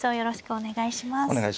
お願いします。